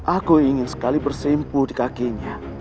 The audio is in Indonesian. aku ingin sekali bersempuh di kakinya